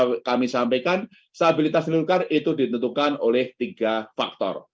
yang kami sampaikan stabilitas golkar itu ditentukan oleh tiga faktor